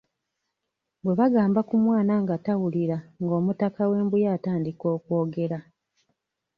Bwe bagamba ku mwana nga tawulira, ng'omutaka w'eMbuya atandika okwogera.